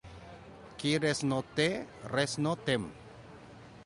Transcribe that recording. Qui res no té, res no tem.